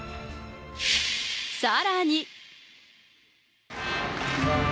さらに。